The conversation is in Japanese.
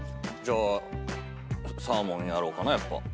じゃあサーモンやろうかなやっぱ。